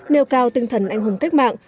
nêu cao tinh thần anh hùng cách mạng